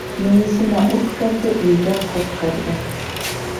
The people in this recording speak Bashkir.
Мейесенә ут керҙе, өйгә ҡот керҙе.